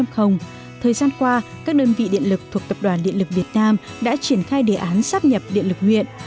thời gian qua các đơn vị điện lực thuộc tập đoàn điện lực việt nam đã triển khai đề án sắp nhập điện lực huyện